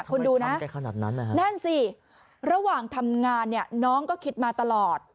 คุณดูนะนั่นสิระหว่างทำงานเนี่ยน้องก็คิดมาตลอด